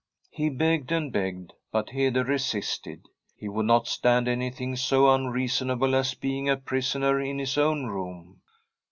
He begged and begged, but Hede resisted ; he would not stand anything so unreasonable as be ing a prisoner in his own room.